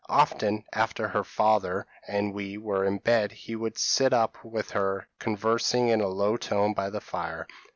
Often, after her father and we were in bed would he sit up with her, conversing in a low tone by the fire.